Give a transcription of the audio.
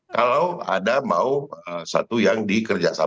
kalau ada mau satu yang dikerjakan